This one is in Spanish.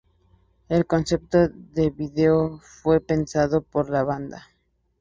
El concepto del vídeo fue pensado por la banda.